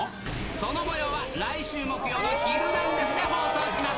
そのもようは来週木曜のヒルナンデス！で放送します。